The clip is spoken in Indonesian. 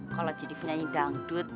kalo jadi penyanyi dangdut